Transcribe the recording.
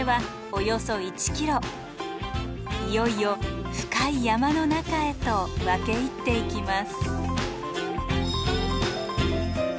いよいよ深い山の中へと分け入っていきます。